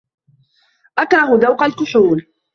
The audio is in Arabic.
أكره ذوق الكحول.